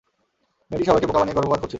মেয়েটি সবাইকে বোকা বানিয়ে গর্ভপাত করছিল।